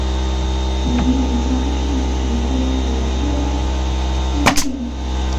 仅有三式指挥连络机一种。